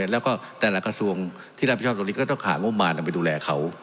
แล้วก็แต่ละกระทรวงที่รับผิดชอบตรงนี้ก็ต้องหางบมารเอาไปดูแลเขา